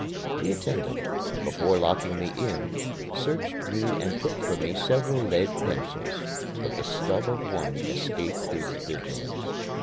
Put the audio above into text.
The attendant, before locking me in, searched me and took from me several lead pencils; but the stub of one escaped his vigilance.